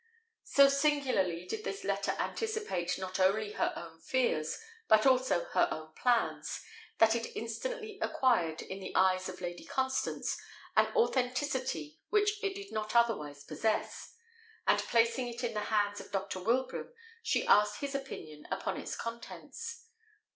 So singularly did this letter anticipate not only her own fears, but also her own plans, that it instantly acquired, in the eyes of Lady Constance, an authenticity which it did not otherwise possess; and placing it in the hands of Dr. Wilbraham, she asked his opinion upon its contents.